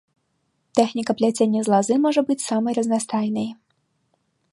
Тэхніка пляцення з лазы можа быць самай разнастайнай.